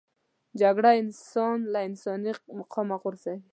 جګړه انسان له انساني مقامه غورځوي